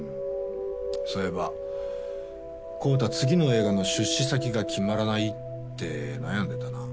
そういえば昂太次の映画の出資先が決まらないって悩んでたな。